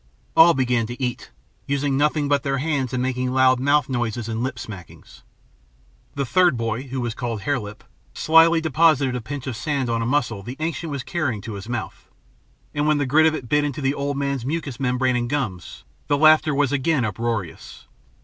All began to eat, using nothing but their hands and making loud mouth noises and lip smackings. The third boy, who was called Hare Lip, slyly deposited a pinch of sand on a mussel the ancient was carrying to his mouth; and when the grit of it bit into the old fellow's mucous membrane and gums, the laughter was again uproarious.